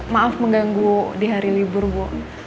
maaf mengganggu di hari libur bu